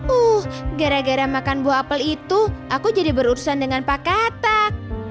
uh gara gara makan buah apel itu aku jadi berurusan dengan pak katak